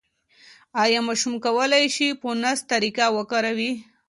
ایا ماشوم کولای شي فونس طریقه وکاروي؟